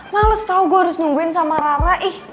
males tau gue harus nungguin sama rara ih